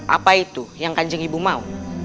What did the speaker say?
apa itu yang kan jeng ibu mau